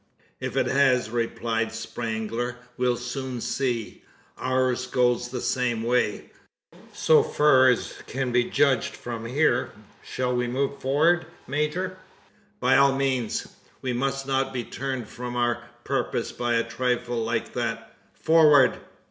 "If it has," replied Spangler, "we'll soon see. Ours goes the same way so fur as can be judged from here. Shall we move forr'ad, major?" "By all means. We must not be turned from our purpose by a trifle like that. Forward!"